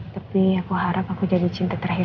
tapi aku harap aku jadi cinta terakhir